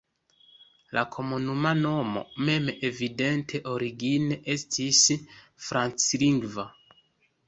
La komunuma nomo mem evidente origine estis franclingva.